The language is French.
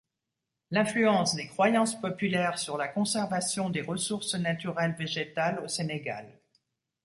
L’influence des croyances populaires sur la conservation des ressources naturelles végétales au Sénégal.